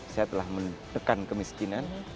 saya telah mendekat kemiskinan